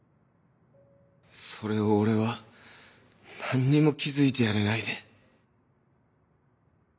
それを俺は何にも気付いてやれないで。